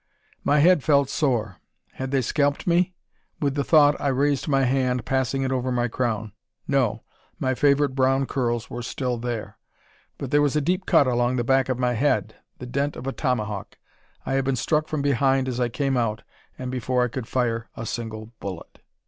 My head felt sore. Had they scalped me? With the thought I raised my hand, passing it over my crown. No. My favourite brown curls were still there; but there was a deep cut along the back of my head the dent of a tomahawk. I had been struck from behind as I came out, and before I could fire a single bullet.